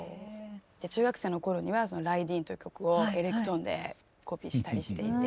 中学生の頃には「ライディーン」という曲をエレクトーンでコピーしたりしていて。